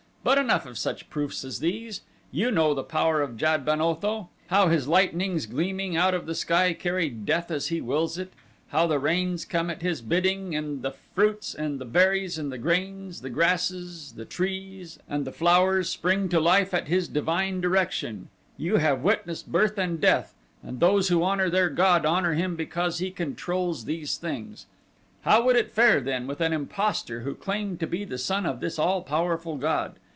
But enough of such proofs as these! You know the power of Jad ben Otho; how his lightnings gleaming out of the sky carry death as he wills it; how the rains come at his bidding, and the fruits and the berries and the grains, the grasses, the trees and the flowers spring to life at his divine direction; you have witnessed birth and death, and those who honor their god honor him because he controls these things. How would it fare then with an impostor who claimed to be the son of this all powerful god?